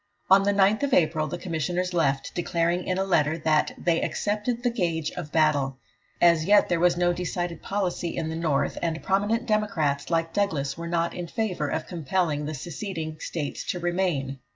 On the 9th of April the Commissioners left, declaring in a letter that "they accepted the gage of battle." As yet there was no decided policy in the North, and prominent Democrats like Douglas were not in favour of compelling the seceding States to remain.